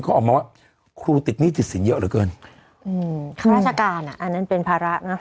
เขาออกมาว่าครูติดหนี้ติดสินเยอะเหลือเกินอืมข้าราชการอ่ะอันนั้นเป็นภาระนะ